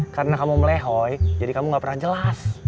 karena kamu melehoi jadi kamu gak pernah jelas